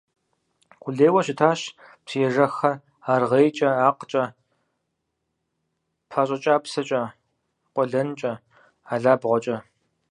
Къулейуэ щытащ псыежэххэр аргъейкӀэ, акъкӀэ, пащӀэкӀапсэкӀэ, къуэлэнкӀэ, алабгъуэкӀэ.